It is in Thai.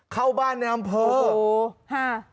เข้าบ้านแหน่ออำเภอฟู้โอ้โห